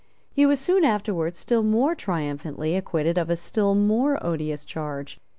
He was soon afterwards still more triumphantly acquitted of a still more odious charge.